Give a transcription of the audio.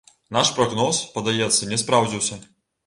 Наш прагноз, падаецца, не спраўдзіўся.